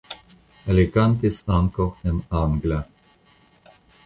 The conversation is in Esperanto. Li kantis ankaŭ en angla.